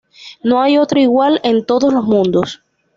No hay otro igual en todos los mundos".